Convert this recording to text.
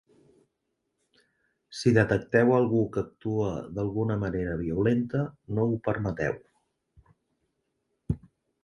Si detecteu algú que actua d’alguna manera violenta, no ho permeteu.